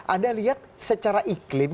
anda lihat secara iklim